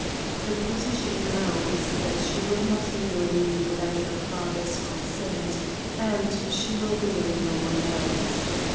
The position now is that she will not marry me without her father's consent, and she will marry no one else.